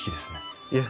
いえ。